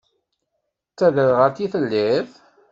D taderɣalt i telliḍ?